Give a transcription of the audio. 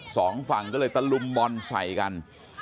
สองฝั่งก็เลยตะลุมบอลใส่กัน